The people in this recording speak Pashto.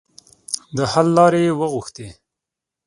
د حل لارې یې وغوښتې.